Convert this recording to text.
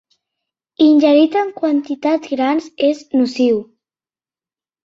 Ingerit en quantitats grans és nociu.